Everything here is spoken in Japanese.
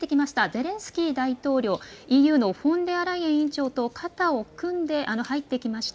ゼレンスキー大統領、ＥＵのフォンデアライエン委員長と肩を組んで入ってきました。